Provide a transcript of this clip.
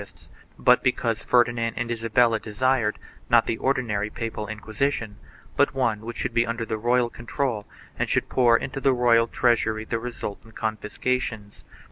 158 ESTABLISHMENT OF THE INQUISITION [BOOK I but because Ferdinand and Isabella desired, not the ordinary papal Inquisition, but one which should be under the royal con trol and should pour into the royal treasury the resultant con fiscations.